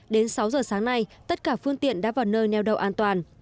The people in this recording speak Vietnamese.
đến sáu giờ sáng nay tất cả phương tiện đã vào nơi neo đậu an toàn